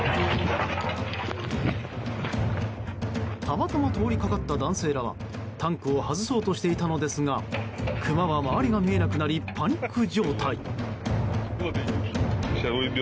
たまたま通りかかった男性らはタンクを外そうとしていたのですがクマは周りが見えなくなりパニック状態。